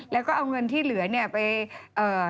แล้วก็เอาเงินที่เหลือเนี่ยไปเอ่อ